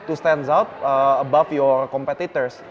untuk berdiri di atas kompetitor